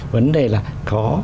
vấn đề là có